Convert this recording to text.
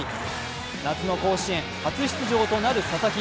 夏の甲子園初出場となる佐々木。